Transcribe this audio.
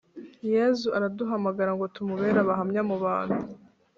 yezu araduhamagara ngo tumubere abahamya mu bantu.